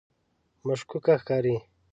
مشکوکه ښکاري.